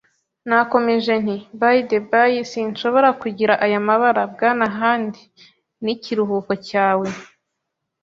Nakomeje nti: "By the by, sinshobora kugira aya mabara, Bwana Hands; n'ikiruhuko cyawe,